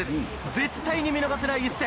絶対に見逃せない一戦。